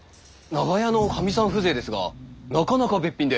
長屋のかみさん風情ですがなかなかべっぴんで。